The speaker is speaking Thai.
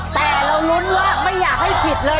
แต่เรารุ้นว่าไม่อยากให้ผิดเลย